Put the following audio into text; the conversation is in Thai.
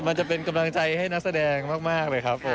มันจะเป็นกำลังใจให้นักแสดงมากเลยครับผม